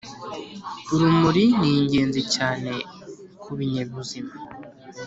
urumuri ni ingenzi cyane ku binyabuzima